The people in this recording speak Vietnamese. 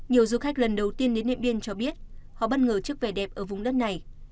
nhiều du khách lần đầu tiên đến điện biên cho biết họ bất ngờ chiếc vẻ đẹp ở vùng đất này